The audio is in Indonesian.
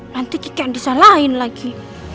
nanti kikek disalahin lagi